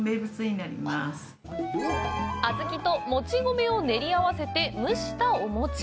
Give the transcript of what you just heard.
小豆ともち米を練り合わせて蒸したお餅。